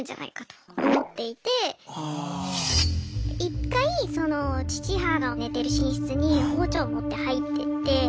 一回その父母が寝てる寝室に包丁持って入ってって。